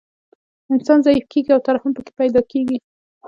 انسان ضعیف کیږي او ترحم پکې پیدا کیږي